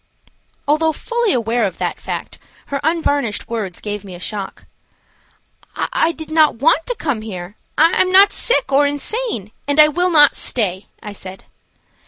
Although fully aware of that fact, her unvarnished words gave me a shock. "I did not want to come here; I am not sick or insane, and I will not stay," I said.